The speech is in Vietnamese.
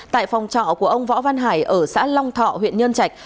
tại phòng trọ của ông võ văn hải ở xã long thọ huyện nhân trạch